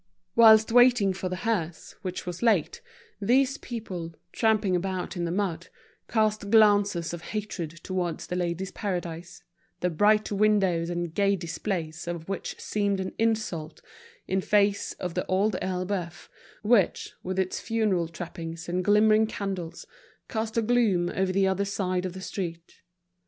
Whilst waiting for the hearse, which was late, these people, tramping about in the mud, cast glances of hatred towards The Ladies' Paradise, the bright windows and gay displays of which seemed an insult in face of The Old Elbeuf, which, with its funeral trappings and glimmering candles, cast a gloom over the other side of the street.